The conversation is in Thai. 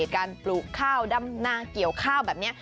การปลูกข้าวดำนาเกี่ยวข้าวแบบนี้